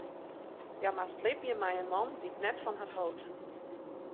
Hja moast libje mei in man dy't net fan har hold.